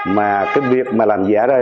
mà cái việc mà làm giả ra